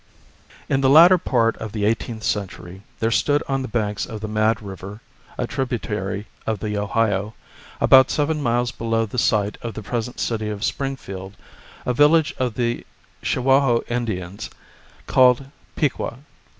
IN the latter part of the eighteenth century there stood on the banks of the Mad River (a tributary of the Ohio), about seven miles below the site of the present city of Springfield, a village of the Shawaiioe Indians, called Piqua.